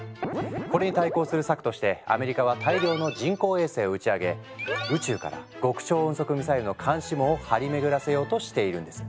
これに対抗する策としてアメリカは大量の人工衛星を打ち上げ宇宙から極超音速ミサイルの監視網を張り巡らせようとしているんです。